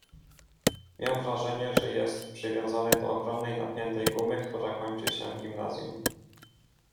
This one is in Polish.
” Miał wrażenie, że jest przywiązany do ogromnej, napiętej gumy, która kończy się w gimnazjum.